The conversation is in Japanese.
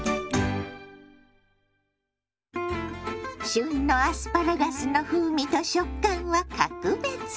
旬のアスパラガスの風味と食感は格別。